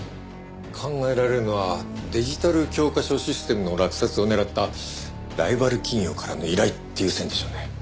考えられるのはデジタル教科書システムの落札を狙ったライバル企業からの依頼っていう線でしょうね。